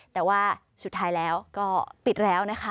แต่ว่าสุดท้ายแล้วก็ปิดแล้วนะคะ